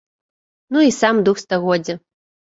Ну і сам дух стагоддзя.